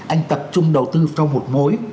anh tập trung đầu tư cho một mối